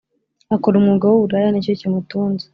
Akora umwuga wuburaya nicyo kimutunze